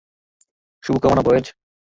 শুভ কামনা, বয়েজ!